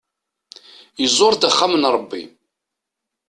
Iẓur-d axxam n Ṛebbi.